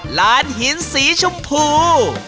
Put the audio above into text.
หลานหินสีชมพู